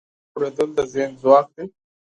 د ښو خبرو اوریدل د ذهن ځواک دی.